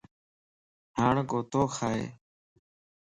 ھاڻ ڪوتو کائي